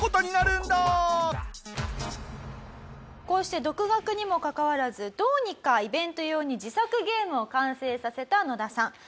こうして独学にもかかわらずどうにかイベント用に自作ゲームを完成させた野田さん。